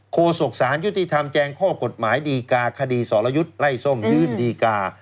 โศกสารยุติธรรมแจงข้อกฎหมายดีกาคดีสรยุทธ์ไล่ส้มยื่นดีกา